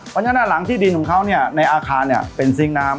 เพราะฉะนั้นหลังที่ดินของเขาในอาคารเป็นซิงค์น้ำ